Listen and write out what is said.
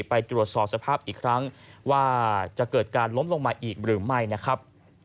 ไปตรวจสอบสภาพอีกครั้งว่าจะเกิดการล้มลงมาอีกหรือไม่นะครับ